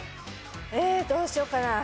えどうしよっかな。